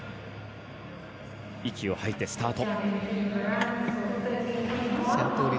息を吐いてスタート。